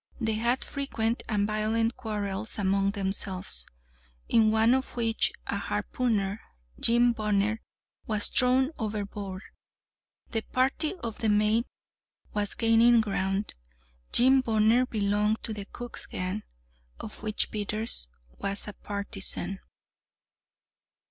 They had frequent and violent quarrels among themselves, in one of which a harpooner, Jim Bonner, was thrown overboard. The party of the mate was gaining ground. Jim Bonner belonged to the cook's gang, of which Peters was a partisan.